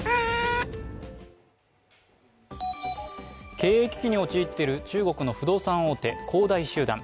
経営危機に陥っている中国の不動産大手、恒大集団。